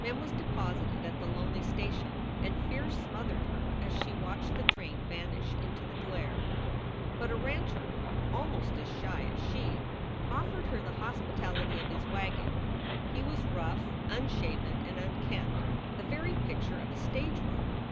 Mem was deposited at the lonely station, and fear smoth ered her as she watched the train vanish into the glare. But a rancher, almost as shy as she, offered her the hospitality of his wagon. He was rough, unshaven, and unkempt, the very picture of a stage robber.